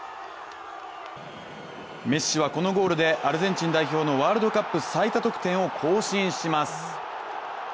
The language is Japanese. メッシはこのゴールでアルゼンチン代表のワールドカップ最多得点を更新します。